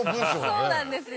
そうなんですよ。